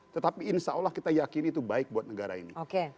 tetapi insya allah kita yakini itu baik buat negara ini